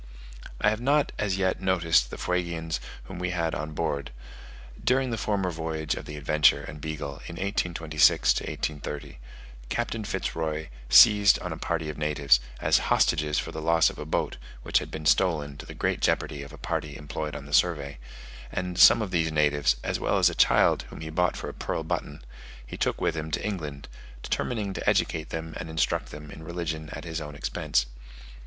I have not as yet noticed the Fuegians whom we had on board. During the former voyage of the Adventure and Beagle in 1826 to 1830, Captain Fitz Roy seized on a party of natives, as hostages for the loss of a boat, which had been stolen, to the great jeopardy of a party employed on the survey; and some of these natives, as well as a child whom he bought for a pearl button, he took with him to England, determining to educate them and instruct them in religion at his own expense.